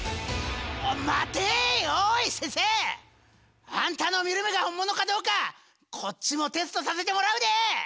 おい待てい！おい先生！あんたの見る目が本物かどうかこっちもテストさせてもらうで！